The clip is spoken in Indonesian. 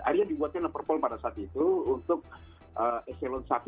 akhirnya dibuatnya perpol pada saat itu untuk eselon satu